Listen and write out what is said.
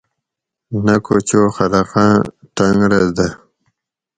نہ کو چو خلقان ٹۤنگ رہ دہ